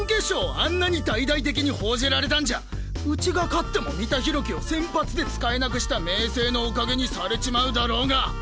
あんなに大々的に報じられたんじゃうちが勝っても三田浩樹を先発で使えなくした明青のお陰にされちまうだろうが！